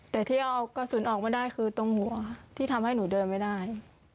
แต่ที่เอากระสุนออกมาได้คือตรงหัวที่ทำให้หนูเดินไม่ได้